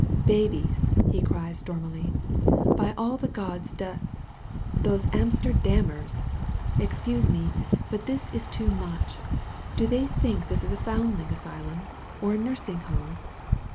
"Babies!'' he cries stormily. "By all the gods, da — those Amsterdammers ! Excuse me, but this is too much. Do they think this is a foundling asylum? or a nursing home?